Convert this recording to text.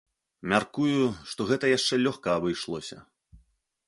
Мяркую, што гэта яшчэ лёгка абышлося.